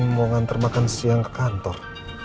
mau ngantar makan siang ke kantor